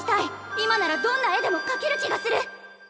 今ならどんな絵でも描ける気がする！